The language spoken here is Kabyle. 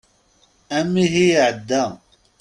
Amihi iεedda.